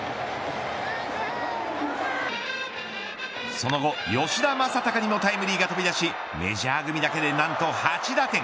その後、吉田正尚にもタイムリーが飛び出しメジャー組だけで何と８打点。